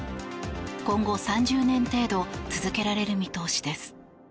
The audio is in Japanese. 今後３０年程度続けられる見通しです。